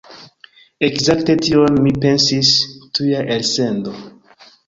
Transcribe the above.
Ekzakte tion mi pensis... tuja elsendo